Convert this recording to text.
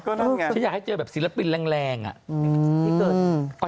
ก็นั่นไงฉันอยากให้เจอแบบศิลปินแรงอ่ะที่เกิด